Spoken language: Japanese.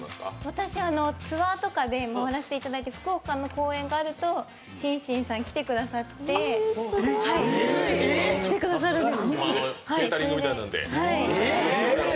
私、ツアーとかで回らせていただいて、福岡の公演があるとＳｈｉｎＳｈｉｎさん来てくださるんです。